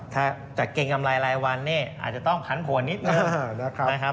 ถ้าจะเกรงกำไรรายวันเนี่ยอาจจะต้องผันผวนนิดนึงนะครับ